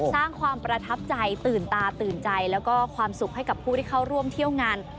สร้างความประทับใจตื่นตาตื่นใจแล้วก็ความสุขให้กับผู้ที่เข้าร่วมเที่ยวงาน